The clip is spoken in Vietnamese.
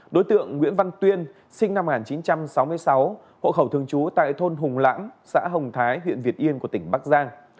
đối tượng nguyễn văn tuyên sinh năm một nghìn chín trăm sáu mươi sáu hộ khẩu thường trú tại thôn hùng lãm xã hồng thái huyện việt yên của tỉnh bắc giang